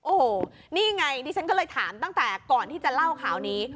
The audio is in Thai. โอ้โหนี่ไงดิฉันก็เลยถามตั้งแต่ก่อนที่จะเล่าข่าวนี้